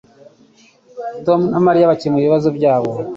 Tom na Mariya bakemuye ibibazo byabo.